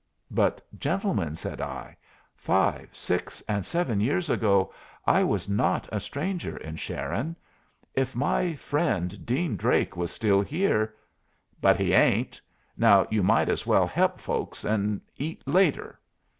"But, gentlemen," said I, "five, six, and seven years ago I was not a stranger in Sharon. If my friend Dean Drake was still here " "But he ain't. Now you might as well help folks, and eat later.